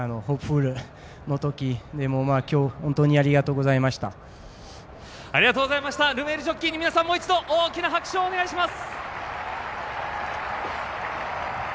ルメールジョッキーに皆さんもう一度大きな拍手をお願いします！